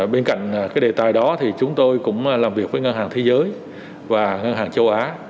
bên cạnh cái đề tài đó thì chúng tôi cũng làm việc với ngân hàng thế giới và ngân hàng châu á